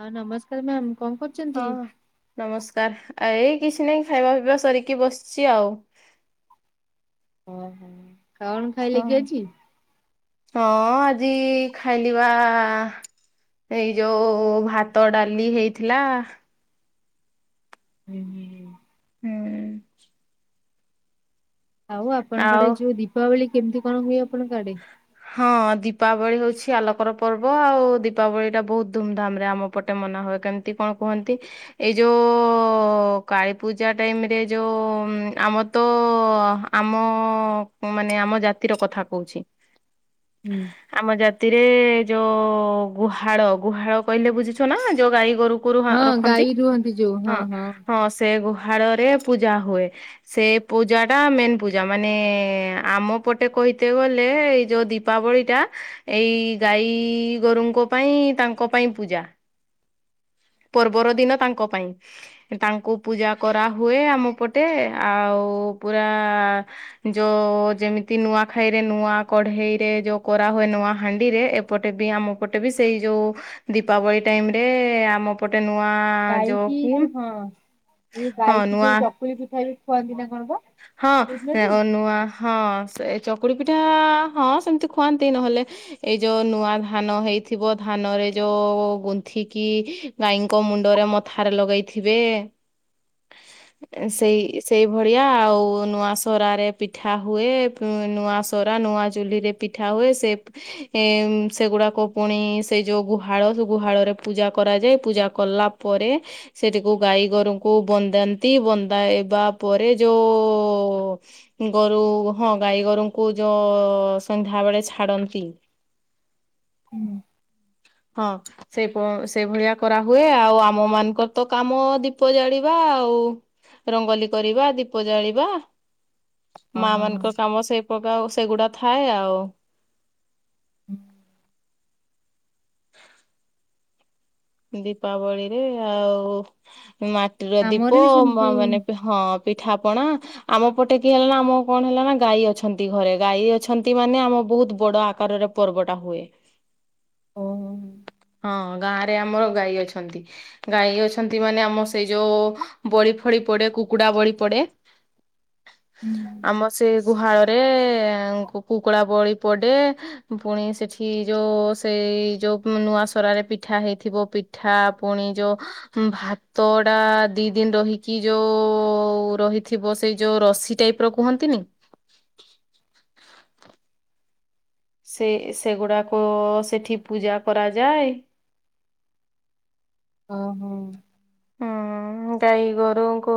ହଁ ନମସ୍କାର ମ୍ୟାମ୍। କଣ କରୁଛନ୍ତି? ହଁ ନମସ୍କାର। ଆ ଏଇ କିଛି ନାଇଁ ଖାଇବା ପିଇବା ସାରିକି ବସିଛି ଆଉ। ଓହୋ କଣ ହଁ। ଖାଇଲେ କି ଆଜି। ହଁ ଆଜି ଖାଇଲି ବା। ଏଇ ଯୋଉ ଭାତ ଡାଲି ହେଇଥିଲା। ହୁଁ ହୁଁ। ହୁଁ। ଆଉ ଆପଣଙ୍କ ଆଡେ ଆଉ ଯୋଉ ଦୀପାବଳି କେମିତି କଣ ହୁଏ। ଆପଣଙ୍କ ଆଡେ? ହଁ ଦୀପ ଦୀପାବଳି ହେଉଛି ଆଲୋକର ପର୍ବ ଆଉ ଦୀପାବଳି ଟା ବହୁତ ଧୁମଧାମ ରେ ଆମ ପଟେ ମନା ହୁଏ କେମିତି କଣ। କୁହନ୍ତି ଏଇ ଯୋଉ କାଳୀପୂଜା ଟାଇମରେ ଯୋଉ ଆମର ତ- ତ ଆମ ମାନେ ଆମ ଜାତିର କଥା କହୁଛି। ହୁଁ। ଆମ ଜାତିରେ ଯୋଉ ଗୁହାଳ ଗୁହାଳ କହିଲେ ବୁଝୁଛ ନା ଯୋଉ ଗାଈ ଗୋରୁ- ଗୁରୁ ମା ହଁ ରଖନ୍ତି। ଗାଈ ରୁହନ୍ତି ଯୋଉ ହଁ ହଁ ସେ ଗୁହା - ଗୁହାଳରେ ପୂଜା ହୁଏ ସେ ପୂଜା ଟା ମେନ୍ ପୂଜା ମାନେ ଆମ ପଟେ- କହିତେ ଗଲେ- ଏଇ ଯୋଉ ଦୀପାବଳିଟା ଏଇ ଗାଈ ଗୋରୁଙ୍କ ପାଇଁ ତାଙ୍କ ପାଇଁ ପୂଜା। ତା। ପର୍ବର ଦିନ ତାଙ୍କ ପାଇଁ। ତାଙ୍କୁ ପୂଜା କରାହୁୁଏ ଆମ ପଟେ ଆଉ- ଆଉ ପୁରା ଯ ଯେମିତି ନୂଆଖାଇରେ ନୂଆ କଢଇରେ ଯ କରାହେ - ହୁଏ ନୂଆ ହାଣ୍ଡି ରେ ଏପଟେ ବି ଆମ ପଟେ ବି ସେଇ ଯୋଉ ଦୀପାବଳି ଟାଇମ ରେ ଆମ- ପଟେ ନୂଆ ଗାଈ କି ଯୋଉ ହଁ ଯଉ ହଁ ଗାଈକି ନୂଆ ଯୋଉ ଚକୁଲି ପିଠା ବି ଖୁଆନ୍ତି ନା କଣ ପା ହଁ ନୂଆ ହଁ ସେ ଚ ଚକୁଳି ପିଠା ହଁ ସେମିତି ଖୁଆନ୍ତି ନହେଲେ ଏଇ ଯୋଉ ନୂଆ ଧାନ ହେଇଥିବ ଧାନରେ ଯଉ ର ଗୁନ୍ଥିକି ଗାଈଙ୍କ ମୁଣ୍ଡରେ ମଥାରେ ଲଗେଇଥିବେ। ସେଇ ସେଇ ଭଳିଆ ଆଉ ନୂଆ ସରା ରେ ପିଠା ହୁଏ ନୂଆ ସରା ନୂଆ ଚୁଲିରେ ପିଠା ହୁଏ ସେ ଏ ସେଗୁଡାକ ପୁଣି ସେ ଯୋଉ ଗୁହାଳ ସେ ଗୁହାଳରେ ପୂଜା କରାଯାଏ ପୂଜା କଲା ତା ପରେ ସେଠକୁ ଗାଈ ଗୋରଙ୍କୁ ବନ୍ଦାନ୍ତି ବନ୍ଦାଇବା ପରେ ଯୋଉ ଗୋରୁ ହଁ ଗାଈ ଗୋରୁଙ୍କୁ ଯୋଉ ସନ୍ଧ୍ୟା ବେଳେ ଛାଡନ୍ତି। ହୁଁ। ହଁ ସେ ସେଇ ଭଳିଆ କରାହୁୁଏ ଆଉ ଆମ ମାନଙ୍କର ତ କାମ ଦୀପ ଜାଳିବା। ଆଉ ରଙ୍ଗଲି କରିବା ଦୀପ ଜାଳିବା। ମା ଓହୋ ମାନଙ୍କ କାମ ସେଇ ପ୍ରକାର ସେଗୁଡା ଥାଏ ଆଉ। ହୁଁ। ଦୀପାବଳିରେ ଆଉ ମାଟିର ଆମର ଦୀପ ବି ସେମିତି ମାନେ ହଁ ପିଠାପଣା ଆମ ପଟେ କିଏ ହେଲା ନା। ଆମ କଣ ହେଲା ନା। ଗାଈ ଅଛନ୍ତି। ଘରେ ଗାଈ ଅଛନ୍ତି ମାନେ, ଆମ ବହୁତ ବଡ ଆକା ପର୍ବଟା ହୁଏ। ଓହୋ। ହଁ, ଗାଁରେ ଆମର ଗାଈ ଅଛନ୍ତି। ଗାଈ ଅଛନ୍ତି ମାନେ, ଆମ ସେ ଯୋଉ ବଳୀ ଫଳୀ ପଡେ। କୁକୁଡ଼ା ବଳି ପଡେ। ହୁଁ। ଆମ ସେ ଗୁହାଳରେ, କୁକୁଡ଼ା ବଳି ପଡେ। ପୁଣି ସେଠି ଯୋଉ ସେଇ ଯୋଉ ନୂଆ ସରାରେ ପିଠା ହେଇ ଥିବ ପିଠା, ପୁଣି ଯୋଉ ଭାତଡା ଦି ଦିନ ରହିକି ଯୋଉ ହଉ ରହିଥିବ ସେଇ ଯୋଉ ରସି ଟାଇପ୍ ର କୁହନ୍ତିନି? ସେ ସେଗୁଡାକ ସେଠି ପୂଜା କରାଯାଏ। ଓ ହୋ। ହଁ। ଗାଈ ଗୋରୁଙ୍କୁ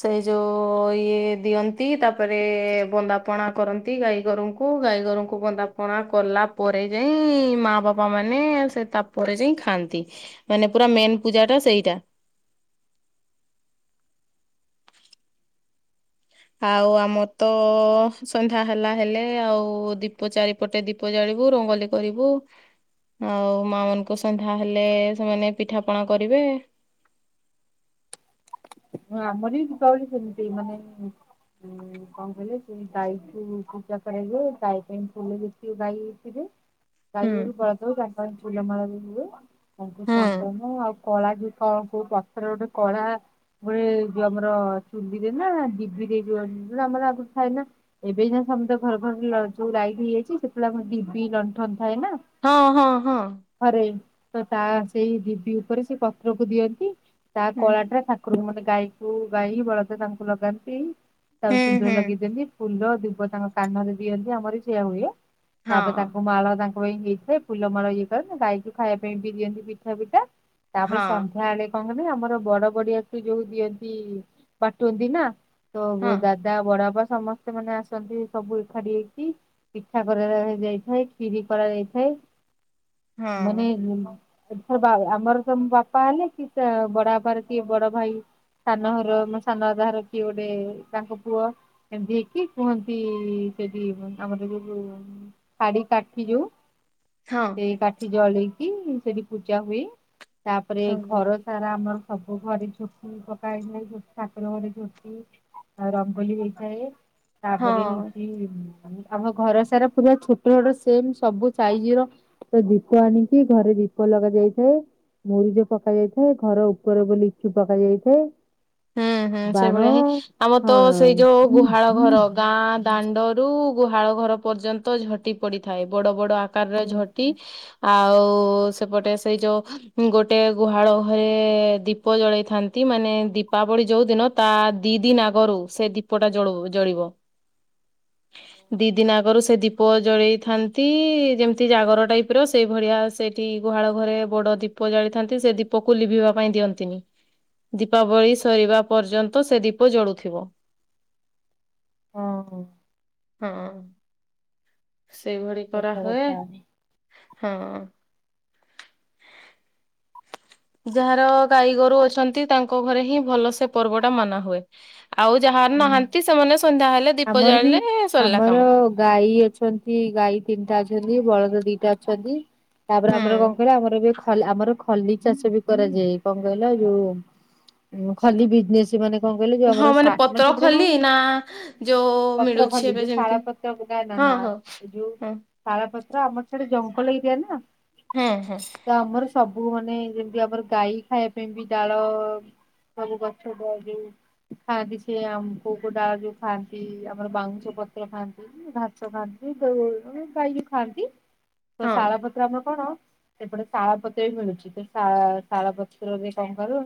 ସେ ଯୋଉ ଇଏ ଦିଅନ୍ତି ତାପରେ ବନ୍ଦାପ ଣା କରନ୍ତି ଗାଈ ଗୋରୁଙ୍କୁ ଗାଈ ଗୋରୁଙ୍କୁ ବନ୍ଦାପଣା କଲା ପରେ ଯାଇଁ ମା ବାପା ମାନେ ସେ ତାପରେ ଯାଇଁ ଖାଆନ୍ତି ମାନେ ପୁରା ମେନ୍ ପୂଜା ଟା ସେଇଟା। ଆଉ ଆମର ତ ସନ୍ଧ୍ୟା ହେଲା ହେଲେ ଆଉ ଦୀପ ଚାରିପଟେ ଦୀପ ଜାଳି ବୁ ରଙ୍ଗୋଲି କରିବୁ। ଆଉ ମା ମାନଙ୍କୁ ସନ୍ଧ୍ୟା ହେଲେ ସେମାନେ ପିଠା ପଣା କରିବେ। ହଁ ଆମରି ବି ଦୀପାବଳି ସେମିତି ମାନେ ଉଁ କଣ କହିଲେ ସେ ଗାଈଠୁ ପୂଜା କରଯାଏ, ଗାଈ ପାଇଁ ଫୁଲ ଯେତିିବ ଗାଈ ହେଇଥିବେ। ହୁଁ ଗାଈ ଗୋରୁ ବଳଦ ଫୁଲ ମାଲ ଦେଉଥିଲୁ ତାଙ୍କୁ ହୁଁ ଚନ୍ଦନ କଳା କି କଣ, କୋଉ ପତ୍ର ଗୋଟେ କଳା ଗ ଯ ଆମର ଚୁଲିରେ ନା ଡିବି ଦେଇ ଆମର ଆଗରୁ ଥାଏ ନାଁ ଏବେ ଯ ତ ଘର ଘର ଯୋଉ ଲାଇଟ ହେଇଯାଇଛି। ସେତେବେଳ ଆମ ଡିବି ଲଣ୍ଠନ ଥାଏ ନାଁ। ହଁ ହଁ ହଁ ଘରେ ତ ତା ସେଇ ଡିବି ଉପରେ ସେ ପତ୍ରକୁ ଦିଅନ୍ତି। ତା ହୁଁ କଳାଟା ଠାକୁରଙ୍କୁ ମାନେ ଗାଈକୁ ଗାଈ ବଳଦ ତାଙ୍କୁ ଲଗାନ୍ତି। ତା ହୁଁ ସିନ୍ଦୁର ହୁଁ ଲଗେଇଦେଅନ୍ତି ଫୁଲ ଦୁବ ତାଙ୍କ କାନରେ ଦିଅନ୍ତି। ଆମର ସେଆ ହୁଏ। ହଁ ତାପରେ ତାଙ୍କୁ ମାଳ ତାଙ୍କ ହେଇଥାଏ। ଫୁଲ ମାଲ ଇଏ କ ଗାଈକୁ ଖାଇବା ପାଇଁ ବି ଦିଅନ୍ତି। ପିଠା ପିଠା ତାପରେ ହଁ। ସନ୍ଧ୍ୟାବେଳେ କଣ କହଲେ। ଆମର ବଡ ବଡିଆ ଯୋଉ ଦିଅନ୍ତି। ପାଟୁନ୍ତି ନା ତ ହଁ ଦାଦା ବଡ ବା ସମସ୍ତେ ମାନେ ଆସନ୍ତି। ସବୁ ଏକାଠି ହେଇକି, ପିଠା କରାଯାଇଥାଏ ଖିରି କରାଯାଇଥାଏ। ମନେ ହଁ ର ଆମର ତ ବାପା ହେଲେ କି ବଡବାପ କିଏ ବଡ ଭାଇ ସାନ ଘର ମ ସାନ ଦଦାର କିଏ ଗୋଟେ ତାଙ୍କ ପୁଅ। ଏମତି ହେଇକି କୁହନ୍ତି। ସେଠି ଆମର ଯୋଉ ଖାଡି କାଠି ଯୋଉ। ହଁ ସେ କାଠି ଜଳେଇକି ସେଠି ପୂଜା ହୁଏ। ତାପରେ ସବୁ ଘର ସାରା ଆମର ସବୁ ଘରେ ଝୋଟି ପକାଇ ଝୋ ଠାକୁର ଘରେ ଝୋଟି ରଙ୍ଗୋଲି ହେଇଥାଏ। ତାପରେ ହଁ ହଉଛି ଆମ ଘର ସାରା ପୁରା ଛୋଟ ଛୋଟ ସେମ ସବୁ ସାଇଜ ର ତ ଦୀପ ଆଣିିକି ଘରେ ଦୀପ ଲଗା ଯାଇଥାଏ। ମରିଜ ପକ ଯାଇଥାଏ। ଘର ଉପର ବୋଲି ଚୁ ପକ ଯାଇଥାଏ। ହୁଁ। ହୁଁ ହୁଁ ବାଣ ସେଇଭଳିଆ ହିଁ ଆମର ହଁ ତ ସେଇ ଯୋଉ ଗୁହାଳ ଘର ଗାଁ ଦାଣ୍ଡରୁ ଗୁହାଳ ଘର ପର୍ଯ୍ୟନ୍ତ ଝଟି ପଡିଥାଏ ବଡ ବଡ ଆକାରରେ ହୁଁ ଝଟି ହୁଁ ଆଉ ସେପଟେ ସେଇ ଯୋଉ ଗୋଟେ ଗୁହାଳ ଘରେ ଦୀପ ଜଳେଇଥାନ୍ତି ମାନେ ଦ ଦୀପାବଳି ଯୋଉ ଦିନ ତା ଦି ଦିନ ଆଗରୁ ସେ ଦୀପଟା ଜଳ ଜଳିବ ଦି ଦିନ ଆଗରୁ ସେ ଦୀପ ଜଳେଇଥାନ୍ତି ଯେମିତି ଜାଗର ଟାଇପ ର ସେଇ ଭଳିଆ ସେଇ ସେଠି ଗୁହାଳ ଘରେ ବଡ ଦୀପ ଜାଳିଥାନ୍ତି ସେ ଦୀପକୁ ଲିଭିବା ପାଇଁ ଦିଅନ୍ତିନି। ଦୀପାବଳି ସରିବା ପର୍ଯ୍ୟନ୍ତ ସେ ଦୀପ ଜଳୁଥିବ। ହଁ ହ। ହଁ। ସେଇଭଳି କରା ସତ ହୁଏ କଥା ହଁ। ଯାହାର ଗାଈ ଗୋରୁ ଅଛନ୍ତି ତାଙ୍କ ଘରେ ହିଁ ଭଲ ସେ ପର୍ବ ଟା ମନା ହୁଏ। ଆଉ ଯାହାର ହୁଁ। ନାହାନ୍ତି ସେମାନେ ସନ୍ଧ୍ୟା ହେଲେ ଦୀପ ଆମର ବି ଜାଳିଲେ ସରିଲା ଆମର କାମ। ଗାଈ ଅଛନ୍ତି ଗାଈ ତିନିଟା ଅଛନ୍ତି ବଳଦ ଦିଟା ଅଛନ୍ତି ତାପରେ ଆମର କଣ ହୁଁ। କହିଲା ଆମର ଏବେ ଆମର ଖଲି ଚାଷ ବି କରାଯାଏ କଣ କହିଲା ଯୋଉ ଖଲି ବିଜନେସେ ସେମାନେ କଣ କହିଲେ ଯୋଉ ହଁ ଆମର ମାନେ ଆମର ପତ୍ର ସେୁଟଆ କଣ ଖଲି କି? ନା ଯୋଉ ପତ୍ର ମିଳୁଛି ଖଲି ଏବେ ଯୋଉ ଯେମିତି। ଶାଳା ପତ୍ର ବୁଲା ନା ହଁ ନା ହଁ ଯୋଉ ହଁ ସାଳ ପତ୍ର ଆମର ଡେ ଜଙ୍ଗଲ ଏରିଆ ନା। ହୁଁ ହୁଁ। ତ ଆମର ସବୁ ମାନେ ଯେମିତି ଆମର ଗାଈ ଖାଇବା ପାଇଁ ବି ଡାଳ ସବୁ ଗଛ ଦଡଆ ଯାଉ ଖାଆନ୍ତି ସେି ଆମ କକୁ ଡା ଯଉ ଖାଆନ୍ତି ଆମର ବାଉଁଶ ପତ୍ର ଖାଆନ୍ତି ଘାସ ଖାଆନ୍ତି ଗାଈ ବିିଉ ଖାଆନ୍ତି। ତ ହଁ ଶାଳପତ୍ରାମା କଣ? ସେପଟେ ଶାଳ ପତ୍ର ବି ମିଳୁଛି ତ ଶାଳ ପତ୍ରରେ କଣ କରୁ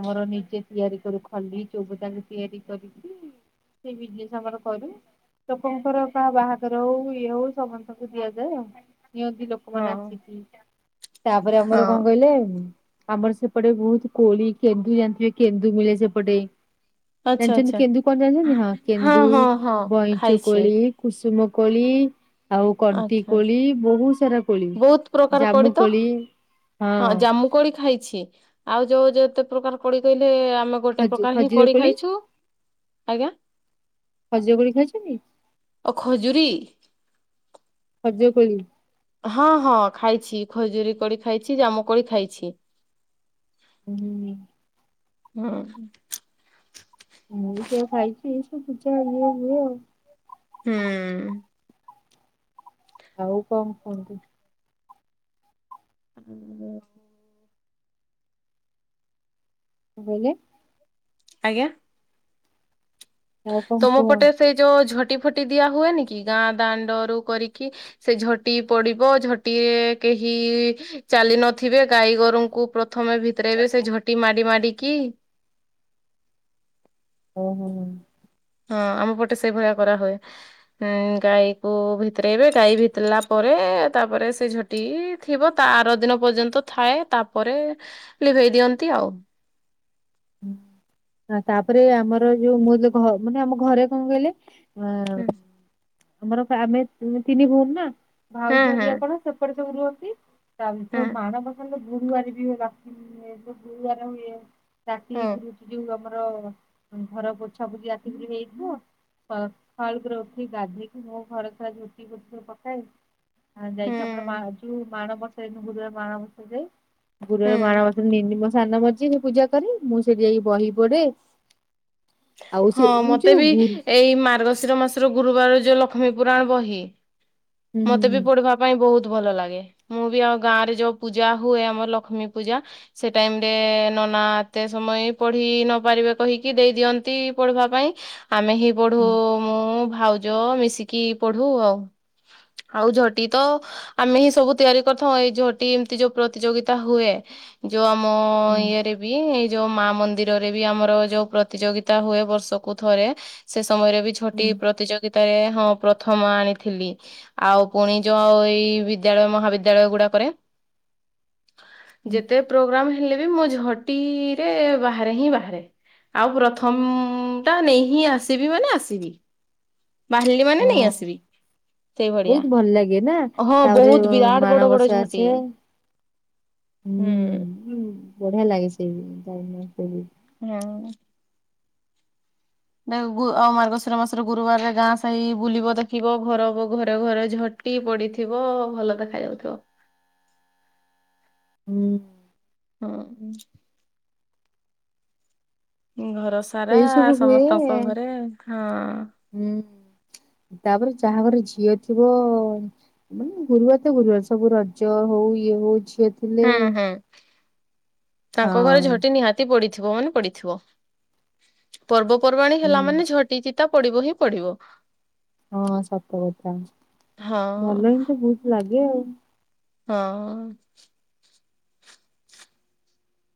ଆମର ନିଜେ ତିଆରି କରୁ ଖଲି ଚଉବ ତାଙ୍କୁ ତିଆରି କରିକି ସେଇ ବିଜନେସ ଆମର କରୁ। ଲୋକଙ୍କର କାହା ବାହାଘର ହଉ ଇଏ ହଉ ସମସ୍ତଙ୍କୁ ଦିଆଯାଏ ଆଉ। ନିଅନ୍ତି ଲୋକମାନୋନ ହଁ। ଆସିକି ତାପରେ ଆମର କଣ ହଁ। କହିଲେ? ଆମର ସେପଟେ ବହୁତ କୋଳି କେନ୍ଦୁ ଜାଣିଥିବେ କେନ୍ଦୁ ମିଳେ ସେପଟେ। ଆଚ୍ଛା ଜାଣିଛନ୍ତି ଆଚ୍ଛା କେନ୍ଦୁ କଣ ଜାଣିଛନ୍ତି ହଁ। କେନ୍ଦୁ ହଁ ହଁ ବଇଁଚ ଖାଇଛି। କୋଳି କୁସୁମ କୋଳି। ଆଉ କଣ୍ଟି ଆଚ୍ଛା କୋଳି ବହୁତ ସାରା କୋଳି ବହୁତ ପ୍ରକାର ଜାମୁ ତ କୋଳି। ହଁ ଜାମୁ କୋଳି ଖାଇଛି ଆଉ ଯୋଉ ଯେତେ ପ୍ରକାର କଡି କହିଲେ ଆମେ ଗୋଟେ ଖଜ ପ୍ରକାର ହିଁ ଖଜିର କୋଲି କୋଳି ଖାଇଛୁ। ଆଜ୍ଞା। ଖକିର କୋଳି ଖାଇଛନ୍ତି? ଓ ଖଜୁରୀ ଖଜିର କୋଳି ହଁ ହଁ ଖାଇଛି ଖଜୁରୀ କରି ଖାଇଛି ଜାମ କରି ଖାଇଛି। ହୁଁ। ହଁ। ମୁଁ ସେ ଖାଇଛିିଏ ସବୁ ପୂଜା ଏଇଆ ହୁଏ ଆଉ। ହୁଁ। ଆଉ କଣ କୁହନ୍ତିୁ? ହ ହଁ। ଆଜ୍ଞା। ଆଜ୍ଞା। ଆଉ କଣ ତମ ପଟେ ସେଇ ଯୋଉ ଝ ଟି ଫୋଟି ଦିଆ ହୁଏନି କି ଗାଁ ଦାଣ୍ଡରୁ କରିକି ସେ ଝୋଟି ପଡିବ ଝୋଟି କେହି ଚାଲି ନଥିବେ ଗାଈଗୋରୁଙ୍କୁ ପ୍ର ପ୍ରଥମେ ଭିତରେଇବେ ସେ କୁହ ଝୋଟି ମାଡି ମାଡିକି। ଓ ହୋ ହୁଁ। ହଁ ଆମ ପଟେ ସେଇ ଭଳିଆ କରାହୁଏ ଉଁ ଗାଈ କୁଁ ଭିତରେଇବେ ଗାଈ ଭିତରେଲା ପରେ। ତାପରେ ସେ ଝୋଟି ଥିବ ତା ଆର ଦିନ ପର୍ଯ୍ୟନ୍ତ ଥାଏ ତାପରେ ଲିଭେଇ ଦିଅ ନ୍ତି ଆଉ। ତା-ତାପରେ ଆମର ଯୋଉ ମୁଁ ଯୋ ଘ ମାନେ ଆମ ଘରେ କଣ କହିଲେ। ଅ ହୁଁ। ଆମର ଫା ଆମେ ତି-ତିନି ଭଉଣୀ ନା ହୁଁ ଭାଉଜ ହୁଁ ହେରିଆ କଣ ସେପଟେ ସବୁ ରୁହନ୍ତି। ତାଙ୍କ ହୁଁ ମାଣବସା ଲୋ ଗୁରୁବାର ବି ହୁଏ ଲକ୍ଷ୍ମୀ ଏ ଯୋ ଗୁରୁବାର ହୁଏ। ରାତି ହୁଁ ଗୁରୁ ଯୋଉ ଆମର ଘର ପୋଛା ପୋଛି ରାତିରୁ ହେଇଥିବ। ଫ ସକାଳ କତୀରୁ ଉଠି ଗାଧେଇକି ମୋ ଘର ସାରା ଝୋଟି ଫୋଟି ସବୁ ପକାଏ। ହଁ ହୁଁ ଯାଇକି ଆପଣ ମା ଯୋଉ ମାଣବସେ ନୁ ଗୁରୁବାର ମାଣବସା ଯାଏ। ଗୁରୁବାର ହୁଁ। ମାଣବସା ନିନି ମୋ ସାନ ମଝି ପୂଜା କରେ ମୁଁ ସେଠି ଯାଇକି ବହି ପଢେ। ଆଉ ସେ ହଁ ମତେ ଯୋଉ ବି ଗୁରୁ ଏଇ ମାର୍ଗଶିର ମାସର ଗୁରୁବାର ଯୋଉ ଲକ୍ଷ୍ମୀ ପୁରାଣ ବହି। ହୁଁ ହୁଁ ମତେ ବି ପଢିବା ପାଇଁ ବହୁତ। ଭଲ ଲାଗେ ମୁଁ ବି ଆଉ ଗାଁରେ ଯୋଉ ପୂଜା ହୁଏ ଆମର ଲକ୍ଷ୍ମୀ ପୂଜା ସେ ଟାଇମ୍ ରେ ନ ନା ଏତେ ସମୟ ପଢି ନ ପାରିବେ କହିକି ଦେଇ ଦିଅନ ଛି ପଢିବା ପାଇଁ ଆମେ ହିଁ ପଢୁ ହୁଁ ମୁଁ ଭାଉ ଯ ମିଶିକି ପଢୁ ଆଉ। ଆଉ ଝୋଟି ତ ଆମେ ହିଁ ସବୁ ତିଆରି କରୁଥାଉ ଏଇ ଝୋଟି ଏମିତି ଯଉ ପ୍ରତିଯୋଗିତା ହୁଏ। ଯୋଉ ଆମ ହୁଁ ହୁଁ ଇଏରେ ବି ଏଇ ଯୋଉ ମା ମନ୍ଦିରରେ ବି ଆମର ଯୋଉ ପ୍ରତିଯୋଗି ତା ହୁଏ ବର୍ଷକୁ ଥରେ ସେ ସମୟରେ ବି ଝୋଟି ହୁଁ ପ୍ରତିଯୋଗିତା ଏ ହଁ ପ୍ର ପ୍ରଥମ ଆଣିଥିଲି ଆଉ ପୁଣି ଯୋଉ ଏଇ ବିଦ୍ୟାଳୟ ମହାବିଦ୍ୟାଳୟ ଗୁଡାକରେ। ହୁଁ ଯେତେ ପ୍ରୋଗ୍ରାମ ହେଲେ ବି ମୁଁ ଝୋଟିରେ ବାହାରେ ହିଁ ବାହାରେ ଆଉ ପ୍ର ପ୍ରଥମ ଟା ନେଇ ହିଁ ଆସିବି ମାନେ ଆସିବି। ବାହାରଲି ମାନେ ନେଇ ହଁ ଆସିବି। ସେଇଭଳିଆ ବହୁତ ଭଲ ଲାଗେ ନା ହଁ ତାପରେ ବହୁତ ବିରାଟ ବଡ ବଡ ମାଣବସା ଝୋଣ୍ଟି। ଆସେ ହୁଁ। ବଢିଆ ଲାଗେ ସେଇ ଯାଇ ମତେ ବି। ହଁ। ନାଇ ଗୁ ଅ ମାର୍ଗଶିର ମାସର ଗୁରୁବାରରେ ଗାଁ ସାହି ବୁଲିବ ଦେଖିବ ଘର ଘ-ଘରେ ଘରେ ଝୋ ଟି ପଡିଥିବ ଭଲ ଦେଖ ଯାଉଥିବ। ହୁଁ। ହଁ। ଘର ସାରା ଏଇ ସବୁ ହୁଏ ସମସ୍ତଙ୍କ ଘରେ ହଁ। ହୁଁ ତାପରେ ଯାହା ଘର ଝିଅ ଥିବ ମାନେ ଗୁରୁବାର ତ ଗୁରୁବାର ସବୁ ରଜ। ହଉ ଇଏ ହଉ ଝି ହୁଁ ହୁଁ ତାଙ୍କ ଘରେ ହଁ ଝୋଟି ନିହାତି ପଡି ଥିବ ମାନେ ପଡିଥିବ ପର୍ବପର୍ବାଣି ହୁଁ ହେଲା ମାନେ ଝୋଟି ଚି ପଡିବ ହିଁ ପଡିବ। ହଁ ସତ କଥା ହଁ। ଭଲ ହିଁ ତ ବହୁତ ଲାଗେ ଆଉ। ହଁ।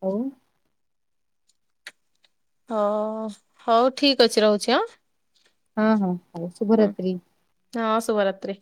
ଆଉ। ହ ହଉ ଠିକ ଅଛି ରହୁଛି ହଁ। ହଁ ହଁ ହୋଉ ଶୁଭରାତ୍ରି। ହଁ ଶୁଭରାତ୍ରି।